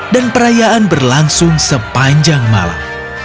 dan perayaan berlangsung sepanjang malam